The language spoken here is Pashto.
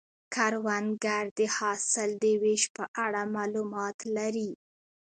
کروندګر د حاصل د ویش په اړه معلومات لري